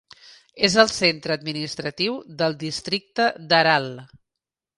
És el centre administratiu del districte d'Aral.